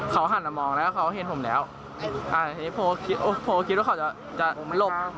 เขาหันมามองแล้วเขาเห็นผมแล้วทีนี้โพลคิดว่าเขาจะจะหลบ